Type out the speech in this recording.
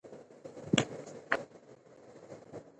له مورچله تر مورچله پوري ځغلو